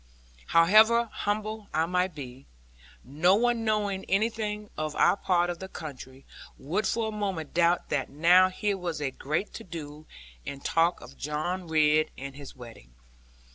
However humble I might be, no one knowing anything of our part of the country, would for a moment doubt that now here was a great to do and talk of John Ridd and his wedding.